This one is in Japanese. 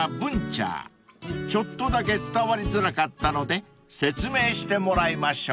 ［ちょっとだけ伝わりづらかったので説明してもらいましょう］